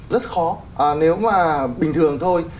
rất khó nếu mà bình thường thôi